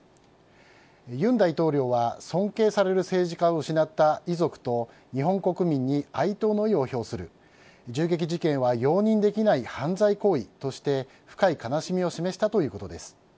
尹大統領は尊敬される政治家を失った遺族と日本国民に哀悼の意を表する銃撃事件は容認できない犯罪行為として深い悲しみを示したということです。